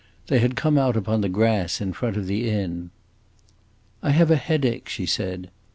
They had come out upon the grass in front of the inn. "I have a headache," she said.